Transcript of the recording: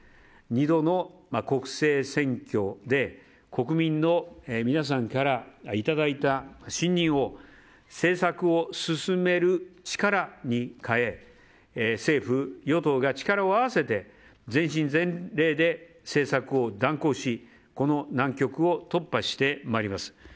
２度の国政選挙で国民の皆さんからいただいた信任を政策を進める力に変え政府・与党が力を合わせて全身全霊で政策を断行しこの難局を突破してまいります。